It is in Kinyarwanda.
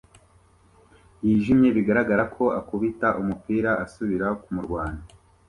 yijimye bigaragara ko akubita umupira asubira kumurwanya